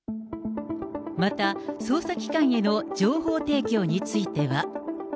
また捜査機関への情報提供については。